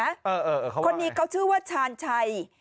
เออเขาว่าอย่างไรครับคนนี้เขาชื่อว่าชาญชัย